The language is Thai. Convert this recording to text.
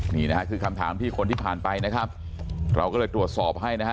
นี่นะฮะคือคำถามที่คนที่ผ่านไปนะครับเราก็เลยตรวจสอบให้นะฮะ